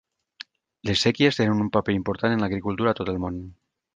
Les séquies tenen un paper important en l'agricultura a tot el món.